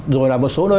rồi là một số nơi